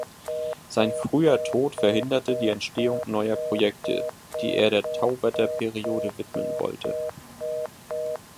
Sein früher Tod verhinderte die Entstehung neuer Projekte, die er der Tauwetter-Periode widmen wollte.